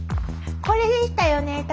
これでしたよね